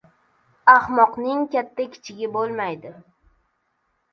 • Ahmoqning katta-kichigi bo‘lmaydi.